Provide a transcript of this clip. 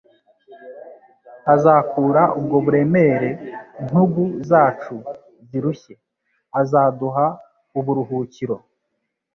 Azakura ubwo buremere ntugu zacu zirushye. Azaduha uburuhukiro.